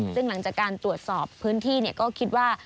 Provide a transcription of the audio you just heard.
ซึ่งหลังจากการตรวจสอบพื้นที่ก็คิดว่า